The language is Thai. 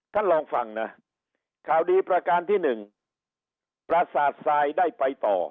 ท่านลองฟังนะข่าวดีประการที่๑ประสาททรายได้ไปต่อ